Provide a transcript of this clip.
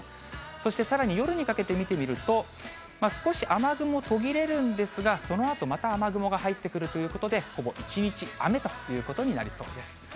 そしてさらに夜にかけて見てみると、少し雨雲途切れるんですが、そのあとまた雨雲が入ってくるということで、ほぼ一日雨ということになりそうです。